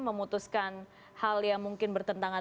memutuskan hal yang mungkin bertentangan